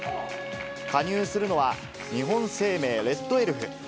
加入のは、日本生命レッドエルフ。